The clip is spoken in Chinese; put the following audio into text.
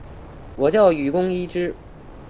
我叫雨宫伊织！